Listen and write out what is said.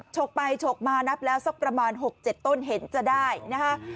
ฉกไปฉกมานับแล้วสักประมาณ๖๗ต้นเห็นจะได้นะคะ